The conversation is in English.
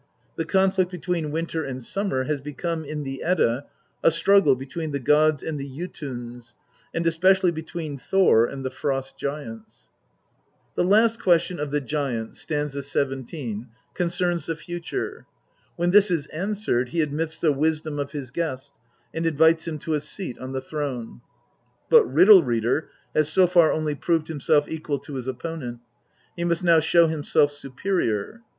The conflict between Winter and Summer has become in the Edda a struggle between the gods and the Jotuns, and especially one between Thor and the Frost giants. The last question of the giant (st. 17) concerns the future. When this is answered he admits the wisdom of his guest, and invites him to a seat on the throne. But Riddle reader has so far only proved himself equal to his opponent ; he must now show himself superior.